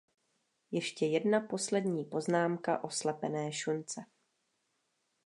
Ještě jedna poslední poznámka o slepené šunce.